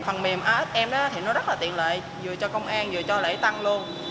phần mềm asm thì nó rất là tiện lợi vừa cho công an vừa cho lễ tăng luôn